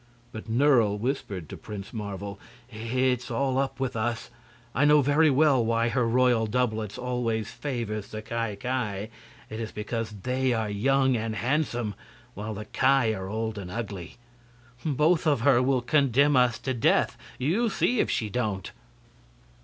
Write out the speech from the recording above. But Nerle whispered to Prince Marvel: "It's all up with us! I know very well why her royal doublets always favors the Ki Ki. It's because they are young and handsome, while the Ki are old and ugly. Both of her will condemn us to death you see if she don't!"